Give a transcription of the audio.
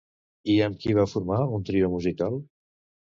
I amb qui va formar un trio musical?